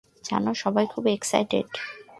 জানো, সবাই খুব এক্সাইটেড।